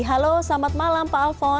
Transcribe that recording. halo selamat malam pak alphon